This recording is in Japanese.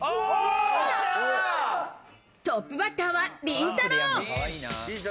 トップバッターはりんたろー。